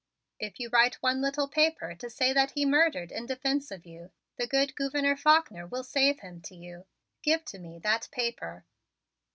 If you write one little paper to say that he murdered in defense of you, the good Gouverneur Faulkner will save him to you. Give to me that paper."